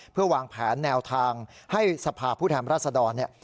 เพื่อวางแผนแนวทางให้สภาพภูมิแถมรัฐศดรเนี่ย